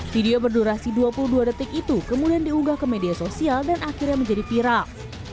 video berdurasi dua puluh dua detik itu kemudian diunggah ke media sosial dan akhirnya menjadi viral